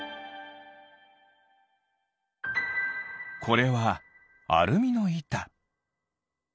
これはアルミのいた。